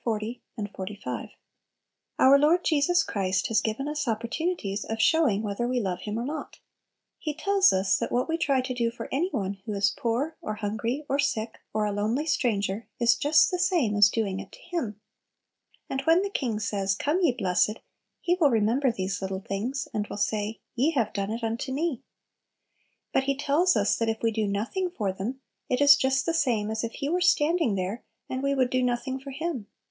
xl., and xlv. Our Lord Jesus Christ has given us opportunities of showing whether we love Him or not. He tells us that what we try to do for any one who is poor, or hungry, or sick, or a lonely stranger, is just the same as doing it to Him. And when the King says, "Come, ye blessed," He will remember these little things, and will say, "Ye have done it unto me." But He tells us that if we do nothing for them, it is just the same as if He were standing there and we would do nothing for Him.